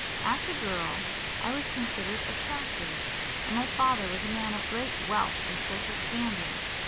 "As a girl I was considered attractive, and my father was a man of great wealth and social standing.